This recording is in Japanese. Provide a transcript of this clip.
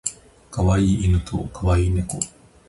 可愛い犬と可愛い猫